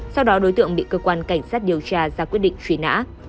sau đó đối tượng bị cơ quan cảnh sát điều tra ra quyết định truy nã